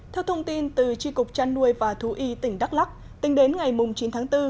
theo thông tin từ tri cục trăn nuôi và thú y tỉnh đắk lắc tính đến ngày chín tháng bốn